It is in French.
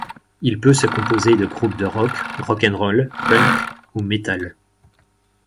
Il peut se composer de groupes de rock, rock 'n' roll, punk ou metal.